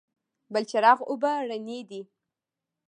بلچراغ اوبه رڼې دي؟